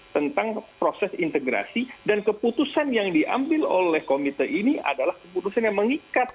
tentang proses integrasi dan keputusan yang diambil oleh komite ini adalah keputusan yang mengikat